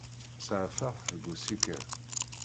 Saɛfeɣ-t deg usikel.